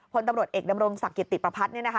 คนตำรวจเอกดำรงศักดิ์กิจติประพัดเนี่ยนะคะ